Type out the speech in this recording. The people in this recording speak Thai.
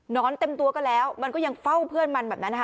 เต็มตัวก็แล้วมันก็ยังเฝ้าเพื่อนมันแบบนั้นนะคะ